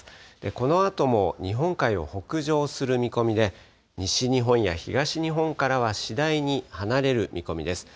このあとも日本海を北上する見込みで、西日本や東日本からは次第に離れる見込みです。